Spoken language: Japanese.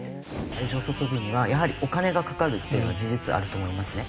愛情を注ぐにはやはりお金がかかるっていうのは事実あると思いますね。